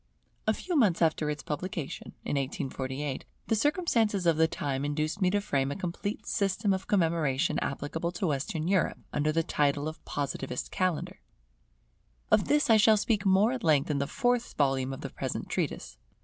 A few months after its publication, in 1848, the circumstances of the time induced me to frame a complete system of commemoration applicable to Western Europe, under the title of Positivist Calendar. Of this I shall speak more at length in the fourth volume of the present treatise.